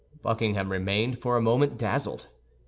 Buckingham remained for a moment dazzled.